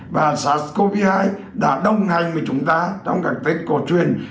và sars cov hai đã đồng hành với chúng ta trong cái tết cổ truyền